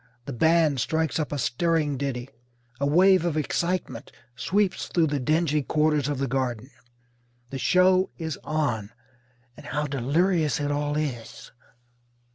The band strikes up a stirring ditty. A wave of excitement sweeps through the dingy quarters of the Garden. The show is on, and how delirious it all is!